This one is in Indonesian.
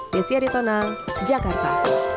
besi aritona jakarta